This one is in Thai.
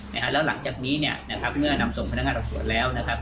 แล้วหลังจากนี้เมื่อนำส่งพนักงานรับสวนแล้ว